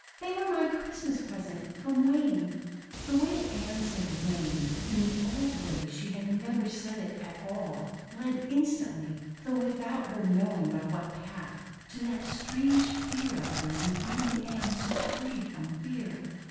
"They were my Christmas present from Wayne." The way Ann said Wayne in the old days she had never said it at all led instantly, though without her knowing by what path, to that strange fear of hers in finding Ann so free from fear.